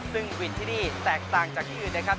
ซึ่งวินที่นี่แตกต่างจากที่อื่นนะครับ